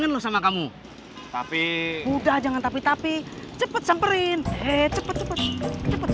setelah mati tak sampai ya berante